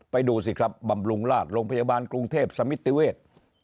ดูสิครับบำรุงราชโรงพยาบาลกรุงเทพสมิติเวศ